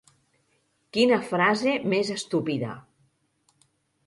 Quina frase més estúpida.